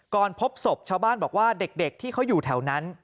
พบศพชาวบ้านบอกว่าเด็กที่เขาอยู่แถวนั้น